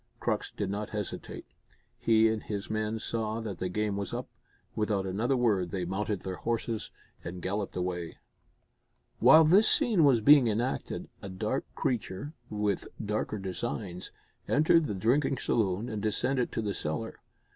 Crux did not hesitate. He and his men saw that the game was up; without another word they mounted their horses and galloped away. While this scene was being enacted a dark creature, with darker designs, entered the drinking saloon and descended to the cellar.